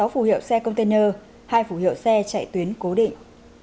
một mươi sáu phù hiệu xe container hai phù hiệu xe chạy tuyến cố định